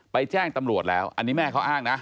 แจ้งตำรวจแล้วอันนี้แม่เขาอ้างนะ